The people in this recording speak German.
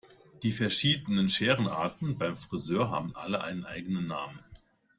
Die verschiedenen Scherenarten beim Frisör haben alle einen eigenen Namen.